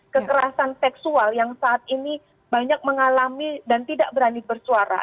kekerasan seksual yang saat ini banyak mengalami dan tidak berani bersuara